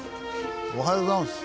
おはようございます。